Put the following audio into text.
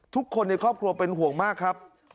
ทุกคนในครอบครัวเป็นห่วงมากครับ